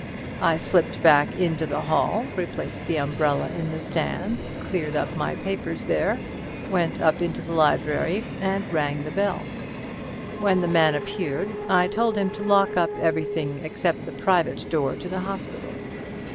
I slipped back into the hall, replaced the umbrella in the stand, cleared up my papers there, went up into the library and rang the bell. When the man appeared I told him to lock up everything except the private door to the hospital.